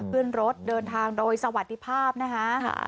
ขึ้นรถเดินทางโดยสวัสดีภาพนะคะ